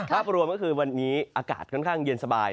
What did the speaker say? ภาพรวมก็คือวันนี้อากาศค่อนข้างเย็นสบาย